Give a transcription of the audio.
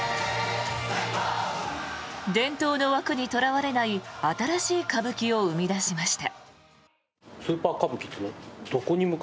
伝統の枠にとらわれない新しい歌舞伎を生み出しました。